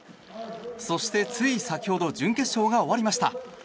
そしてつい先ほど準決勝が終わりました。